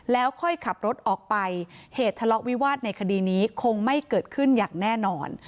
แล้วค่อยขับรถออกไปเหตุทะเลาะวิวาสในคดีนี้คงไม่เกิดขึ้นอย่างแน่นอน